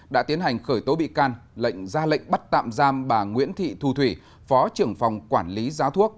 đã tiến hành khởi tố bị can ra lệnh bắt tạm giam bà nguyễn thị thu thủy phó trưởng phòng quản lý giá thuốc